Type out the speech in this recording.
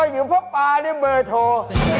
อยู่พ่อปาเรียกเบอร์โทร